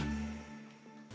ini penjarah untuk siapa pak